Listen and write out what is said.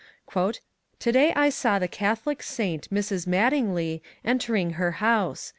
To day I saw the Catholic saint Mrs. Mattingly entering her house.